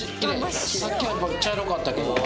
さっきの茶色かったけど。